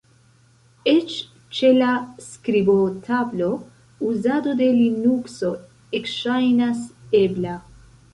Eĉ ĉe la skribotablo, uzado de Linukso ekŝajnas ebla.